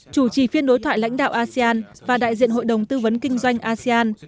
chủ trì phiên đối thoại lãnh đạo asean và đại diện hội đồng tư vấn kinh doanh asean